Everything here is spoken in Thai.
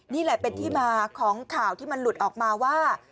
นี่แหละเป็นที่มาของข่าวที่มันหลุดออกมาว่า